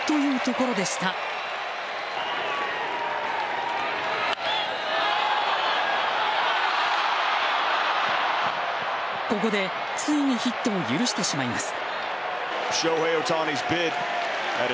ここで、ついにヒットを許してしまいます。